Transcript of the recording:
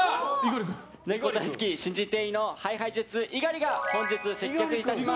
ネコ大好き、新人店員のＨｉＨｉＪｅｔｓ、猪狩が本日、接客します。